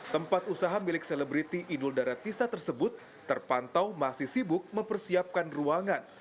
tempat usaha milik selebriti inul daratista tersebut terpantau masih sibuk mempersiapkan ruangan